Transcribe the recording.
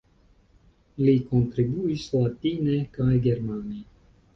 Li kontribuis latine kaj germane.